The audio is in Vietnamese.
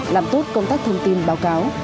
làm tốt công tác thông tin báo cáo